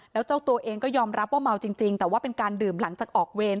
แล้วเจ้าตัวเองก็ยอมรับว่าเมาจริงแต่ว่าเป็นการดื่มหลังจากออกเวร